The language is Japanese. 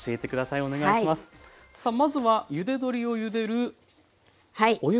さあまずはゆで鶏をゆでる